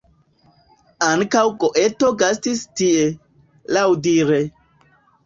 Ankaŭ Goeto gastis tie, laŭdire.